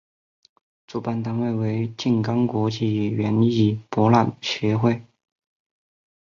主办单位为静冈国际园艺博览会协会。